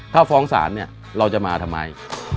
ถ้าฟ้องศาลเราจะมาทำไม